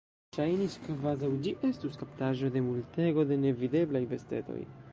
Ŝajnis, kvazaŭ ĝi estus kaptaĵo de multego da nevideblaj bestetoj.